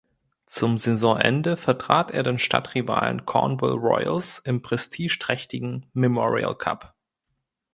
Zum Saisonende vertrat er den Stadtrivalen Cornwall Royals im prestigeträchtigen Memorial Cup.